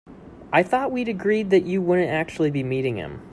I thought we'd agreed that you wouldn't actually be meeting him?